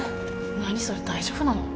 何それ大丈夫なの？